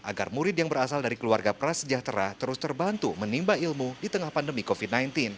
agar murid yang berasal dari keluarga prasejahtera terus terbantu menimba ilmu di tengah pandemi covid sembilan belas